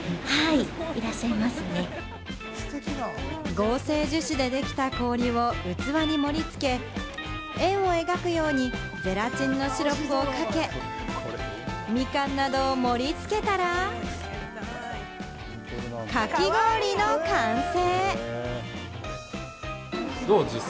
合成樹脂でできた氷を器に盛り付け、円を描くようにゼラチンのシロップをかけ、みかんなどを盛り付けたらかき氷の完成。